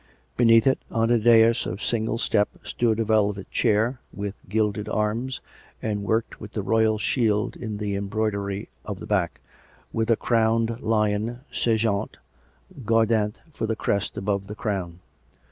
Beneath it, on a dais of a single step, stood a velvet chair, with gilded arms, and worked with the royal shield in the embroidery of the back — with a crowned lion sejant, guar dant, for the crest above the crown.